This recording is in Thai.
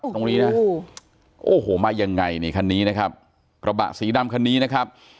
ตรงนี้นะโอ้โหมายังไงนี่คันนี้นะครับกระบะสีดำคันนี้นะครับ